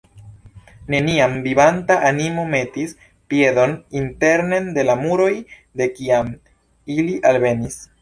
Nenia vivanta animo metis piedon internen de la muroj, de kiam ili alvenis.